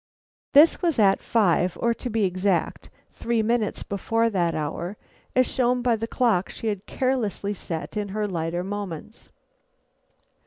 This was at five, or, to be exact, three minutes before that hour, as shown by the clock she had carelessly set in her lighter moments.